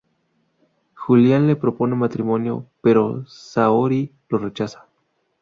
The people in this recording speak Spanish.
Julián le propone matrimonio, pero Saori lo rechaza.